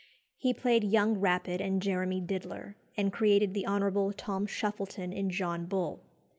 He played Young Rapid and Jeremy Diddler, and created the Hon. Tom Shuffleton in "John Bull."